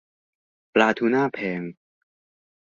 ปลาทูน่าแพง